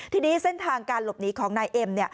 ทีนี้เส้นทางการหลบหนีของนายเอ็ม